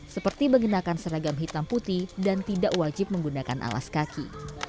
seperti menggunakan seragam hitam putih dan tidak wajib menggunakan alas kaki